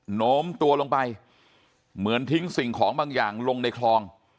โน้มตัวลงไปเหมือนทิ้งสิ่งของบางอย่างลงในคลอง